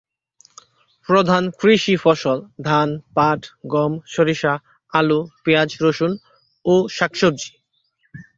প্রধান কৃষি ফসল ধান, পাট, গম, সরিষা, আলু, পেঁয়াজ, রসুন ও শাকসবজি।